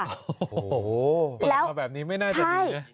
โอ้โฮแบบนี้ไม่น่าจะดี